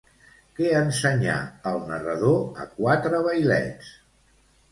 Què ensenyà el narrador a quatre vailets?